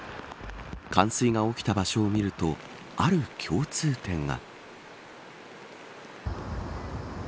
冠水が起きた場所を見るとある共通点が。